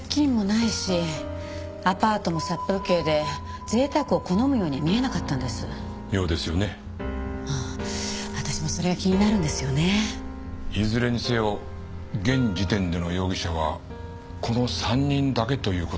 いずれにせよ現時点での容疑者はこの３人だけという事ですか。